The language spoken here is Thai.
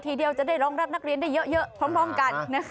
ทีเดียวจะได้รองรับนักเรียนได้เยอะพร้อมกัน